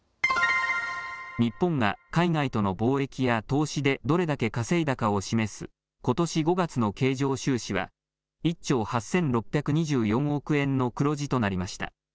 日本が海外との貿易や投資でどれだけ稼いだかを示すことし５月の経常収支は１兆８６２４億円の黒字となりました。